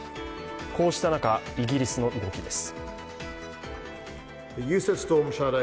こうした中、イギリスの動きです。